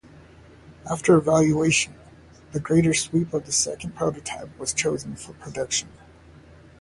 After evaluation, the greater sweep of the second prototype was chosen for production.